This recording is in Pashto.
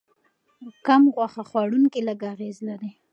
کم غوښه خوړونکي لږ اغېز لري.